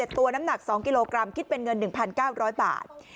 ตัวน้ำหนัก๒กิโลกรัมคิดเป็นเงิน๑๙๐๐บาท